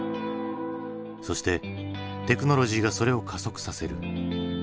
そしてテクノロジーがそれを加速させる。